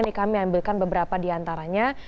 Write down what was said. ini kami ambilkan beberapa di antaranya